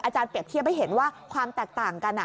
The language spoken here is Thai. เปรียบเทียบให้เห็นว่าความแตกต่างกัน